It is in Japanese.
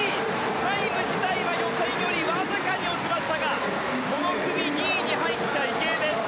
タイム自体は予選よりわずかに落ちましたがこの組２位に入った池江です。